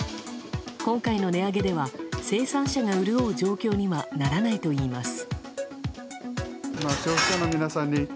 今回の値上げでは、生産者が潤う状況にはならないといいます。